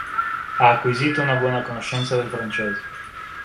Ha acquisito una buona conoscenza del francese.